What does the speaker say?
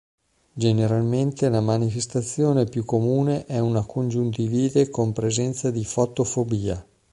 Generalmente la manifestazione più comune è una congiuntivite con presenza di fotofobia.